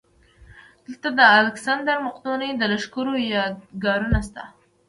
دلته د الکسندر مقدوني د لښکرو یادګارونه شته